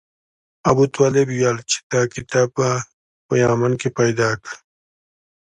ابوطالب ویل چې دا کتاب یې په یمن کې پیدا کړی.